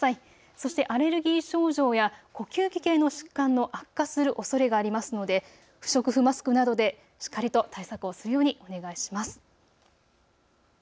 そしてアレルギー症状や呼吸器系の疾患の悪化するおそれがありますので不織布マスクなどでしっかりと対策をするようにお願いします。